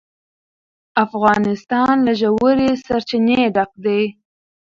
افغانستان له ژورې سرچینې ډک دی.